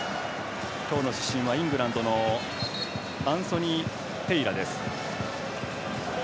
今日の主審はイングランドのアンソニー・テイラーです。